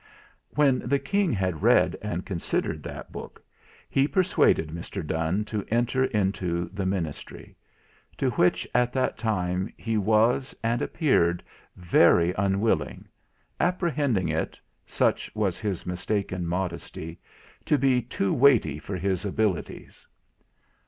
When the King had read and considered that book, he persuaded Mr. Donne to enter into the Ministry; to which, at that time, he was, and appeared, very unwilling, apprehending it such was his mistaken modesty to be too weighty for his abilities.